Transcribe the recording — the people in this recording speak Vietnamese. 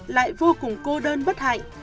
lại vô cùng cô đơn bất hạnh